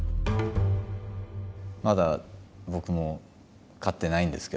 まだ僕も勝ってないんですけど。